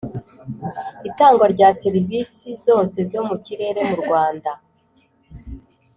Itangwa rya serivisi zose zo mu kirere mu Rwanda